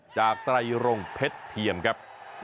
ไตรรงเพชรเทียมครับ